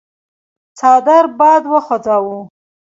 څادر باد وخوځاوه.